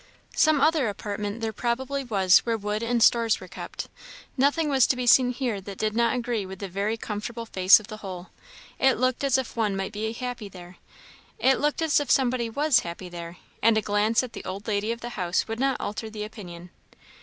Some other apartment there probably was where wood and stores were kept; nothing was to be seen here that did not agree with the very comfortable face of the whole. It looked as if one might be happy there; it looked as if somebody was happy there; and a glance at the old lady of the house would not alter the opinion.